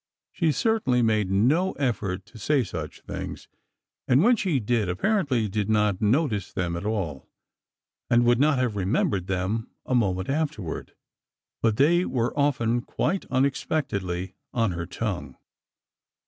She certainly made no effort to say such things, and when she did, apparently did not notice them at all, and would not have remembered them a moment afterward. But they were often quite unexpectedly on her tongue.